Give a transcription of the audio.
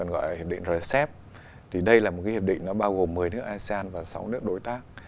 gọi là hiệp định rcep thì đây là một cái hiệp định nó bao gồm một mươi nước asean và sáu nước đối tác